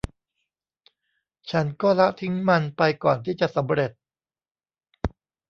ฉันก็ละทิ้งมันไปก่อนที่จะสำเร็จ